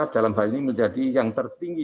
dalam hal ini menjadi yang tertinggi